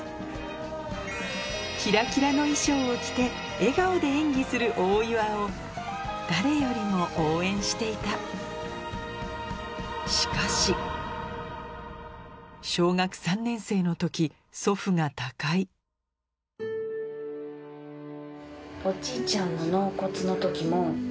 キラキラの衣装を着て笑顔で演技する大岩を誰よりも応援していたしかし小学３年生の時祖父が他界って行きました。